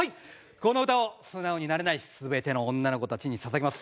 この歌を素直になれない全ての女の子たちに捧げます。